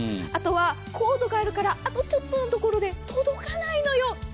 あとは、コードがあるからあとちょっとのところで届かないのよ。